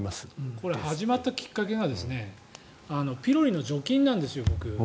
これ、始まったきっかけがピロリの除菌なんですよ、僕。